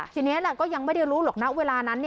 ทีนี้ก็ยังไม่ได้รู้หรอกนะเวลานั้น